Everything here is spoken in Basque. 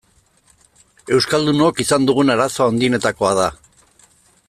Euskaldunok izan dugun arazo handienetakoa da.